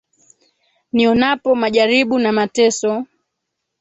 Nionapo majaribu na mateso,